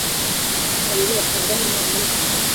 babiri batorwa n inama y igihugu